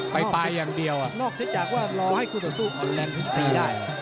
ไปไปอย่างเดียวนอกจากว่ารอให้คู่ต่อสู้ก่อนแรงคุณจะตีได้